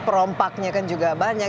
perompaknya kan juga banyak